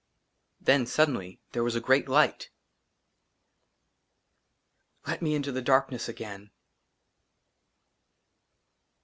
THEN SUDDENLY THERE WAS A GREAT LIGHT " LET ME INTO THE DARKNESS AGAIN.